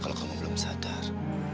kalau kamu belum sadar